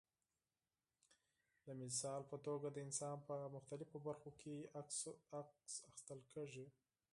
د مثال په توګه د انسان په مختلفو برخو کې عکس اخیستل کېږي.